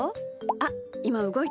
あっいまうごいた。